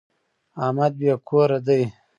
احمد بې کوره دی.